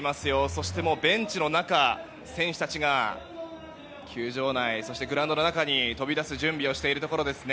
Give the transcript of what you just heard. そして、ベンチの中選手たちが球場内、グラウンドの中に飛び出す準備をしています。